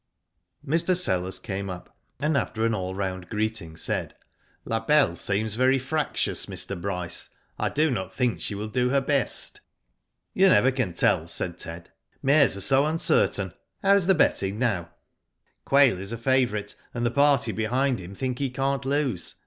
Mr. Sellers came up, and after an all round greeting, said: " La Belle seems very fractious, Mr. Bryce, I do not think she will do her best." " You never can tell," said Ted. " Mares are so uncertain. How is the betting now?" " Quail is favourite, and the party behind him think he can't lose.